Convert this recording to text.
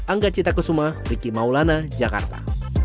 angga cita kusuma ricky maulana jakarta